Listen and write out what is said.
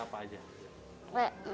belajar apa aja